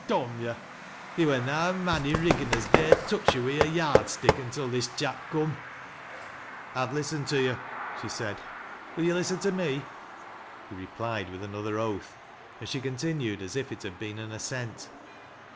Dom yo' I theer were na a mon i' Riggan as dare touch yo' wi' a yard stick until this chap coom." "I've listened to yo'," she said. "Will yo' listen to me?" He replied with another oath, and she continued as if it had been an assent.